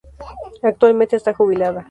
Actualmente, está jubilada.